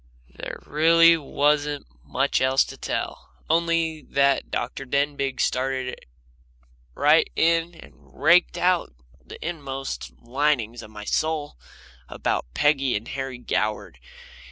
There really wasn't much else to tell, only that Dr. Denbigh started right in and raked out the inmost linings of my soul about Peggy and Harry Goward.